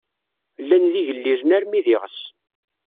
Llan d igellilen armi d iɣes.